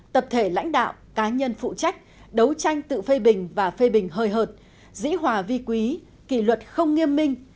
tập thể lãnh đạo cá nhân phụ trách đấu tranh tự phê bình và phê bình hơi hợt dĩ hòa vi quý kỳ luật không nghiêm minh